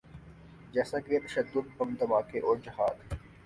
جیسا کہ تشدد، بم دھماکے اورجہاد۔